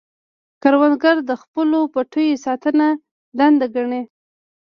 کروندګر د خپلو پټیو ساتنه دنده ګڼي